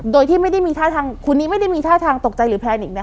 โดยที่ไม่ได้มีท่าทางคุณนี้ไม่ได้มีท่าทางตกใจหรือแพลนิกนะ